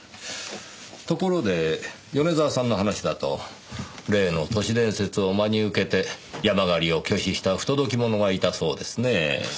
ところで米沢さんの話だと例の都市伝説を真に受けて山狩りを拒否した不届き者がいたそうですねぇ。